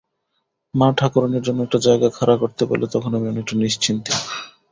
মা-ঠাকুরাণীর জন্য একটা জায়গা খাড়া করতে পারলে তখন আমি অনেকটা নিশ্চিন্তি।